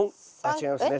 違いますね